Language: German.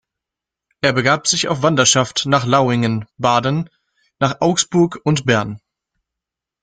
Er begab sich auf Wanderschaft nach Lauingen, Baden, nach Augsburg und Bern.